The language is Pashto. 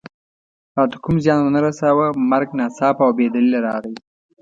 راته کوم زیان و نه رساوه، مرګ ناڅاپه او بې دلیله راغی.